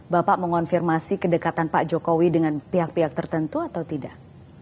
bapak mengonfirmasi kedekatan pak jokowi dengan pihak pihak tertentu atau tidak